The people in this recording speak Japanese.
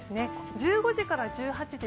１５時から１８時